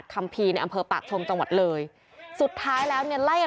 นำนำนำนำนำนำ